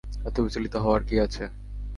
এত বিচলিত হওয়ার কী আছে!